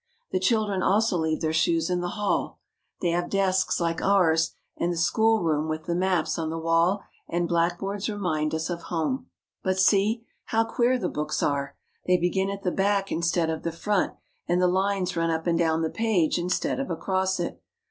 The children also leave their shoes in the hall. They have desks like ours, and the schoolroom with the maps JAPANESE CHILDREN AT SCHOOL 69 on the wall and blackboards remind us of home. But see ! How queer the books are ! They begin at the back instead of the front, and the lines run up and down the page instead of across it.